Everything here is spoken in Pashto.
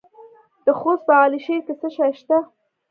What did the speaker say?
د خوست په علي شیر کې څه شی شته؟